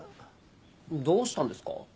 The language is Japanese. どうしたんですか？